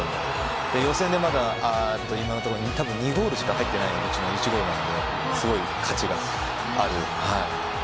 予選で今のところ２ゴールしか入っていないうちの１ゴールなのですごい価値がある。